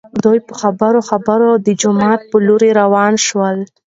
دوي په خبرو خبرو د جومات په لور راوان شول.